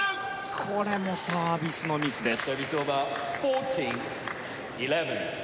これもサービスのミスです。